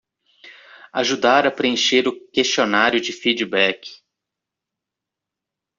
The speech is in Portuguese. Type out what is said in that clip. Ajudar a preencher o questionário de feedback